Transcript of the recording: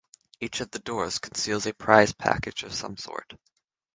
Each of the doors conceals a prize package of some sort.